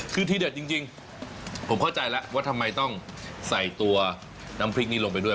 คือที่เด็ดจริงผมเข้าใจแล้วว่าทำไมต้องใส่ตัวน้ำพริกนี้ลงไปด้วย